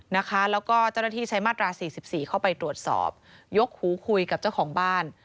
แล้วก็เจ้าหน้าที่ใช้มาตรา๔๔เข้าไปตรวจสอบยกหูคุยกับเจ้าของบ้าน